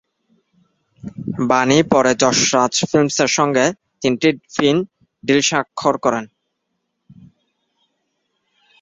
বাণী পরে যশ রাজ ফিল্মসের সঙ্গে তিনটি ফিল্ম ডিল স্বাক্ষর করেন।